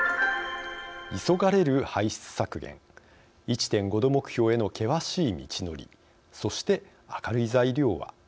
急がれる排出削減１．５℃目標への険しい道のりそして、明るい材料は？